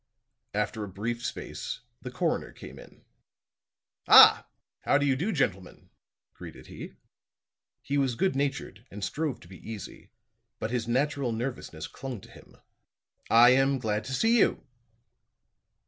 After a brief space, the coroner came in, "Ah, how do you do, gentlemen," greeted he. He was good natured and strove to be easy; but his natural nervousness clung to him. "I am glad to see you."